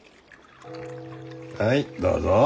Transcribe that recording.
はいどうぞ。